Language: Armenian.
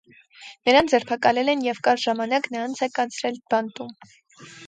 Նրան ձերբակալել են և կարճ ժամանակ նա անց է կացրել բանտում։